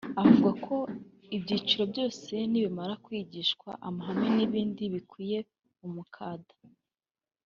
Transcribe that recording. Avuga ko ibyiciro byose nibamara kwigishwa amahame n’ibindi bikwiye umukada